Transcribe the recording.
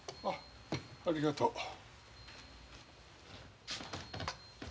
あっありがとう。